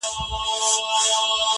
سپرلی ټینکه وعده وکړي چي را ځمه,